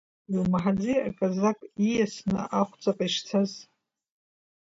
Иумаҳаӡеи аказак ииасны ахәҵаҟа ишцаз?